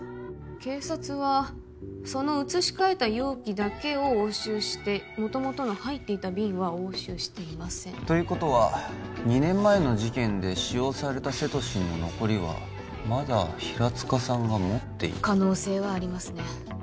警察はその移しかえた容器だけを押収して元々の入っていた瓶は押収していませんということは２年前の事件で使用されたセトシンの残りはまだ平塚さんが持っている可能性はありますね